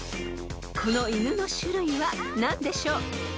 ［この犬の種類は何でしょう？］